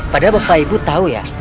padahal bapak ibu tahu ya